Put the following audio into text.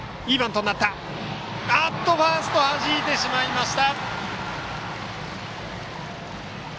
ファースト、はじいてしまった！